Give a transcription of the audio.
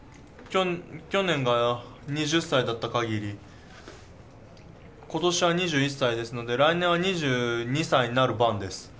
去年が２０歳だったかぎり今年は２１歳ですので来年は２２歳になる番です。